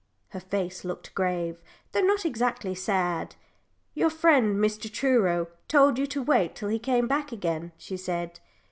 Her face looked grave, though not exactly sad. "Your friend Mr. Truro told you to wait till he came back again?" she said.